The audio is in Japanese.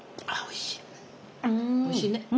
おいしいね。